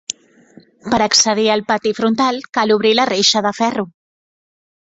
Per accedir al pati frontal, cal obrir la reixa de ferro.